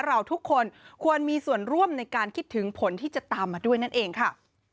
เราทุกคนควรมีส่วนร่วมในการคิดถึงผลที่จะตามมาด้วยนั่นเองค่ะ